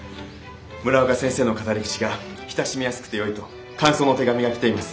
村岡先生の語り口が親しみやすくてよいと感想の手紙が来ています。